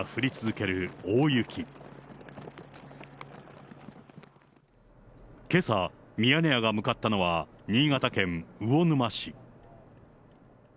けさ、ミヤネ屋が向かったのは、新潟県魚沼市。